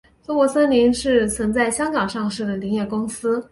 中国森林是曾在香港上市的林业公司。